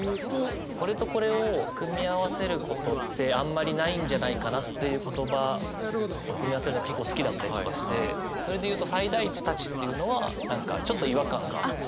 これとこれを組み合わせることってあんまりないんじゃないかなという言葉を組み合わせるのが結構好きだったりとかしてそれで言うと「最大値たち」っていうのは何かちょっと違和感があって。